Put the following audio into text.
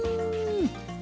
うん！